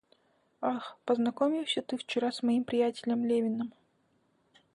Ах, познакомился ты вчера с моим приятелем Левиным?